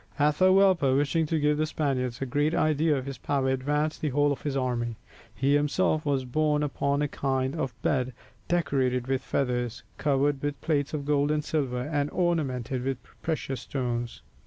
Atahualpa, wishing to give the Spaniards a great idea of his power, advanced with the whole of his army. He himself was borne upon a kind of bed, decorated with feathers, covered with plates of gold and silver, and ornamented with precious stones.